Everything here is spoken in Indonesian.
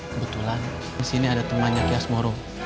kebetulan disini ada temannya kias moro